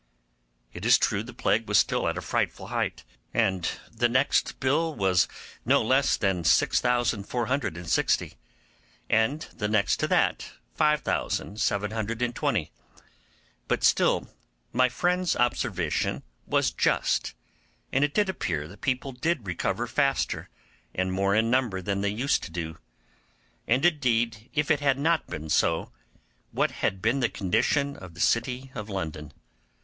It is true the plague was still at a frightful height, and the next bill was no less than 6460, and the next to that, 5720; but still my friend's observation was just, and it did appear the people did recover faster and more in number than they used to do; and indeed, if it had not been so, what had been the condition of the city of London?